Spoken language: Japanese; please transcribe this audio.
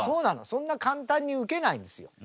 そんな簡単にウケないんですよ。